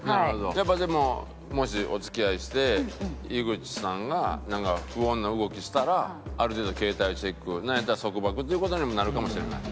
やっぱでももしお付き合いして井口さんがなんか不穏な動きしたらある程度携帯チェックなんやったら束縛っていう事にもなるかもしれない？